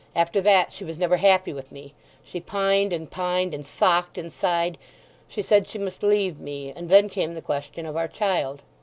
After that she was never happy with me. She pined and pined, and socked and sighed. She said she must leave me, and then came the question of our child.